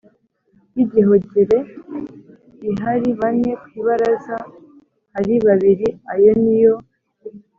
y igihogere l hari bane ku ibaraza hari babiri Ayo ni yo